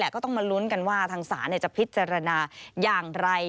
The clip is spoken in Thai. ก็ต้องมาลุ้นกันว่าทางศาลจะพิจารณาอย่างไร